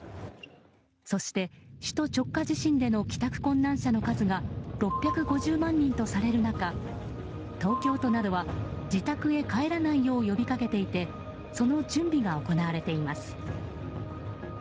そして首都直下地震での帰宅困難者の数が６５０万人とされる中東京都などは自宅へ帰らないよう呼びかけていてその準備が行われています。